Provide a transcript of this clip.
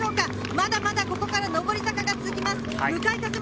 まだまだここから上り坂が続きます。